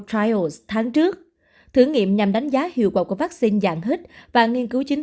trials tháng trước thử nghiệm nhằm đánh giá hiệu quả của vaccine dạng hit và nghiên cứu chính